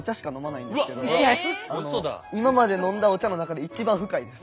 今まで飲んだお茶の中で一番深いです。